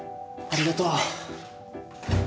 ありがとう。